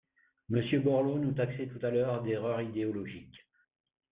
Monsieur Borloo nous taxait tout à l’heure d’erreur idéologique.